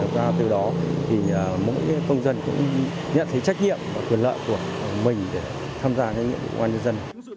và từ đó mỗi công dân cũng nhận thấy trách nhiệm và quyền lợi của mình để tham gia nghiệp quân nhân dân